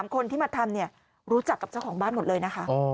คนที่มาทำรู้จักกับเจ้าของบ้านหมดเลยนะคะ